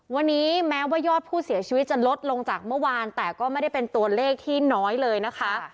วันนี้แม้ว่ายอดผู้เสียชีวิตจะลดลงจากเมื่อวานแต่ก็ไม่ได้เป็นตัวเลขที่น้อยเลยนะคะ